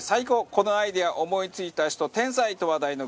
このアイデア思い付いた人天才！と話題のグッズです。